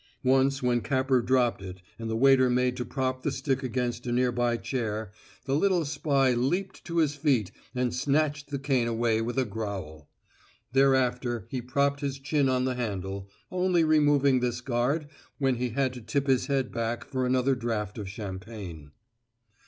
Once when Capper dropped it and the waiter made to prop the stick against a near by chair, the little spy leaped to his feet and snatched the cane away with a growl. Thereafter he propped his chin on the handle, only removing this guard when he had to tip his head back for another draft of champagne.